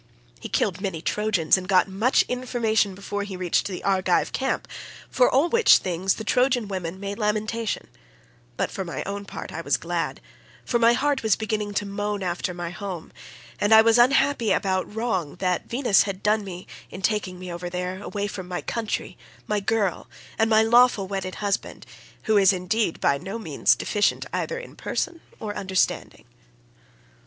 He killed many Trojans and got much information before he reached the Argive camp, for all which things the Trojan women made lamentation, but for my own part I was glad, for my heart was beginning to yearn after my home, and I was unhappy about the wrong that Venus had done me in taking me over there, away from my country, my girl, and my lawful wedded husband, who is indeed by no means deficient either in person or understanding."